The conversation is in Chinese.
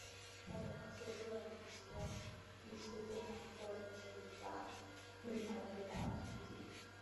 同样的方式也适用于使用机械键盘或者球形打印头的打字机。